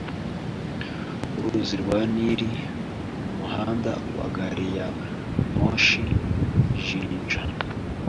Uruzi rwa Nili Umuhanda wa Gariyamoshi Jinja